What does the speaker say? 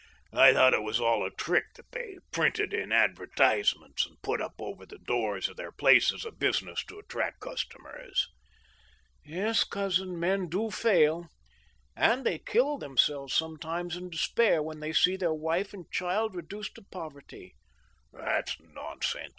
" I thought it was all a trick that they printed in advertisements, and •put up over the doors of their places of business to attract custom ers. " Yes, cousin, men do fail, and they kill themselves sometimes in jdespair, when they see their wife and child reduced to poverty." " That's nonsense.